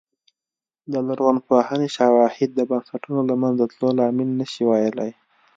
د لرغونپوهنې شواهد د بنسټونو له منځه تلو لامل نه شي ویلای